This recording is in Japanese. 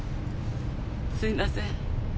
すいません。